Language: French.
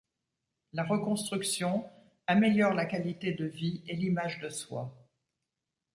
La reconstruction améliore la qualité de vie et l'image de soi.